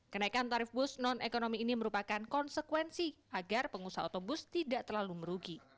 kenaikan tarif bus non ekonomi ini merupakan konsekuensi agar pengusaha otobus tidak terlalu merugi